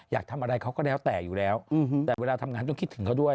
อยากทำอะไรเขาก็แล้วแต่อยู่แล้วแต่เวลาทำงานต้องคิดถึงเขาด้วย